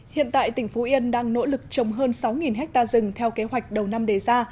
hiện tại tỉnh phú yên đang nỗ lực trồng hơn sáu hectare rừng theo kế hoạch đầu năm đề ra